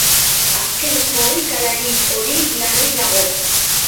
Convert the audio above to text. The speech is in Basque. Azken korrikalari hori larri dago.